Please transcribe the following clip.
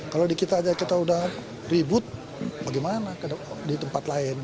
kalau di kita aja kita udah ribut bagaimana di tempat lain